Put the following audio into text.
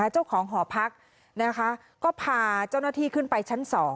เจ้าของหอพักก็พาเจ้าหน้าที่ขึ้นไปชั้น๒